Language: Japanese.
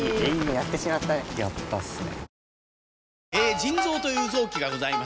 やったっすね！